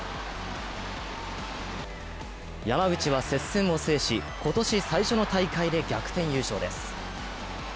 山口は接戦を制し、今年最初の大会で逆転優勝です。